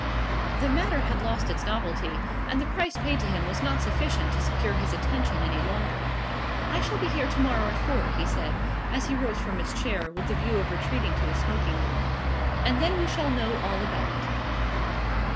The matter had lost its novelty, and the price paid to him was not sufficient to secure his attention any longer. "I shall be here to morrow at four," he said, as he rose from his chair with the view of retreating to the smoking room, "and then we shall know all about it.